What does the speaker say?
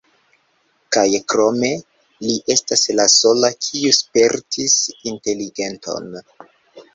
Kaj krome, li estas la sola kiu spertis inteligenton.